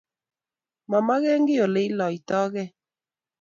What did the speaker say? Mamagekiy ole ilaitaigei